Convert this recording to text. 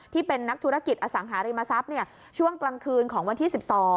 ที่เป็นนักธุรกิจอสังหาริมทรัพย์ช่วงกลางคืนของวันที่๑๒